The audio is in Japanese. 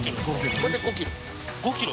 これで５ｋｇ。